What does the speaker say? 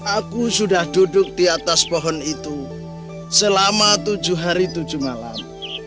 aku sudah duduk di atas pohon itu selama tujuh hari tujuh malam